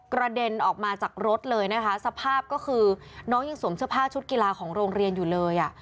เด็นออกมาจากรถเลยนะคะสภาพก็คือน้องยังสวมเสื้อผ้าชุดกีฬาของโรงเรียนอยู่เลยอ่ะ